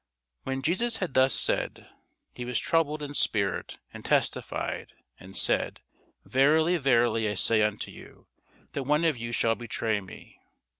When Jesus had thus said, he was troubled in spirit, and testified, and said, Verily, verily, I say unto you, that one of you shall betray me.